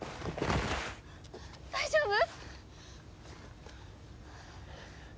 大丈夫！？